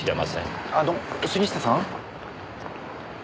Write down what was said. あの杉下さん。